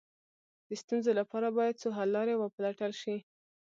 د ستونزو لپاره باید څو حل لارې وپلټل شي.